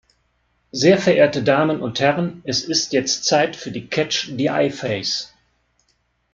Sehr verehrte Damen und Herren, es ist jetzt Zeit für die Catch-the-Eye-Phase.